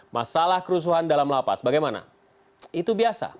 masalah kerusuhan dalam lapas bagaimana itu biasa